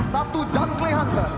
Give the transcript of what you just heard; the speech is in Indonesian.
satu junkley hunter